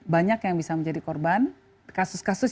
banyak yang bisa menjadi korban kasus kasus